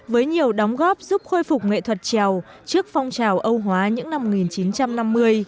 với nhiều đóng góp giúp khôi phục nghệ thuật trèo trước phong trào âu hóa những năm một nghìn chín trăm năm mươi